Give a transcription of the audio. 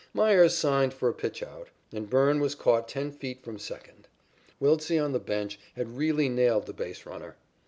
Meyers signed for a pitchout, and Byrne was caught ten feet from second. Wiltse on the bench had really nailed the base runner.